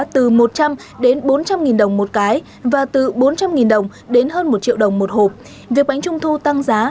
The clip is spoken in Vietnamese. từ một trăm linh đến bốn trăm linh đồng một cái và từ bốn trăm linh đồng đến hơn một triệu đồng một hộp việc bánh trung thu tăng giá